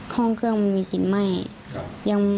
ห้องเครื่องมันมีกลิ่นไหม้